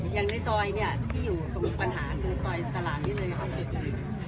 อย่างในซอยเนี่ยที่อยู่ก็มีปัญหาคือซอยตลาดนี้เลยค่ะ